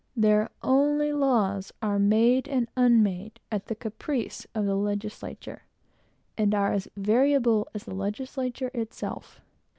Their only laws are made and unmade at the caprice of the legislature, and are as variable as the legislature itself.